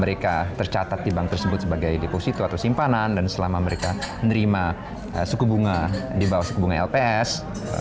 mereka tercatat di bank tersebut sebagai deposito atau simpanan dan selama mereka menerima suku bunga di bawah suku bunga lps